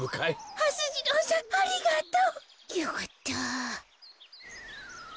はす次郎さんありがとう。よかった。